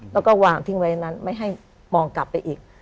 แล้วก็วางทิ้งไว้นั้นไม่ให้มองกลับไปอีก